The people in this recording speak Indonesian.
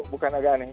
bukan agak aneh